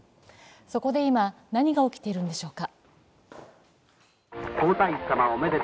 そこで今、何が起きているのでしょうか。